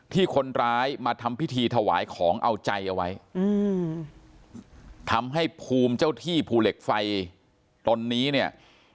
ที่คนร้ายมาทำพิธีถวายของเอาใจเอาไว้อืมทำให้ภูมิเจ้าที่ภูเหล็กไฟตนนี้เนี่ย